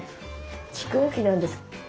蓄音機なんです。